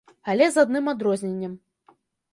Але з адным адрозненнем.